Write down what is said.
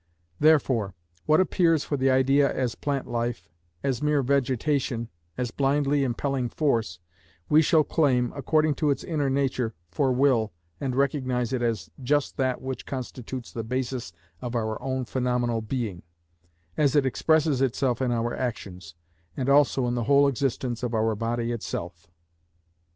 Therefore, what appears for the idea as plant life, as mere vegetation, as blindly impelling force, we shall claim, according to its inner nature, for will, and recognise it as just that which constitutes the basis of our own phenomenal being, as it expresses itself in our actions, and also in the whole existence of our body itself.